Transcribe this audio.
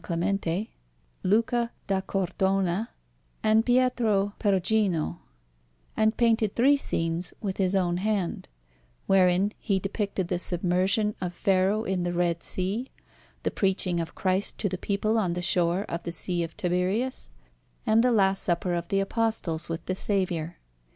Clemente, Luca da Cortona, and Pietro Perugino, and painted three scenes with his own hand, wherein he depicted the Submersion of Pharaoh in the Red Sea, the Preaching of Christ to the people on the shore of the Sea of Tiberias, and the Last Supper of the Apostles with the Saviour.